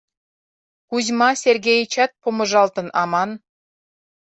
— Кузьма Сергеичат помыжалтын аман.